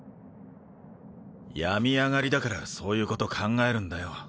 病み上がりだからそういうこと考えるんだよ。